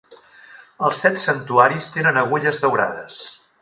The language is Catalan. Els set santuaris tenen agulles daurades.